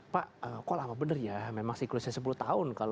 pak kok lama bener ya memang siklusnya sepuluh tahun